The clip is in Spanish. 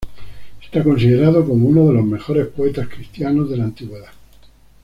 Está considerado como uno de los mejores poetas cristianos de la Antigüedad.